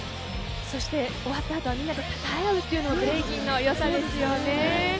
そして終わったあとはみんなでたたえ合うというのがブレイキンの良さですよね。